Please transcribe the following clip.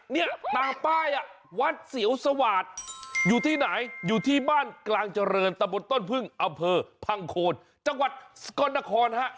เนี่ยตามป้ายอ่ะวัดเสียวสวาสอยู่ที่ไหนอยู่ที่บ้านกลางเจริญตะบนต้นพึ่งอำเภอพังโคนจังหวัดสกลนครฮะ